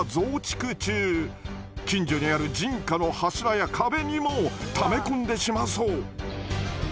近所にある人家の柱や壁にもため込んでしまうそう。